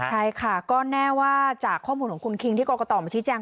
ใช่ค่ะก็แน่ว่าจากข้อมูลของคุณคิงที่กรกตมาชี้แจง